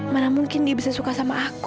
mana mungkin dia bisa suka sama aku